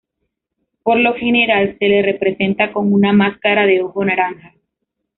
Por lo general, se le representa con una máscara de ojo naranja.